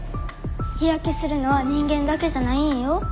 日焼けするのは人間だけじゃないんよ。